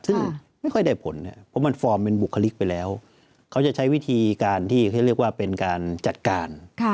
ซึ่งไม่ค่อยได้ผลนะครับเพราะมันฟอร์มเป็นบุคลิกไปแล้วเขาจะใช้วิธีการที่เขาเรียกว่าเป็นการจัดการ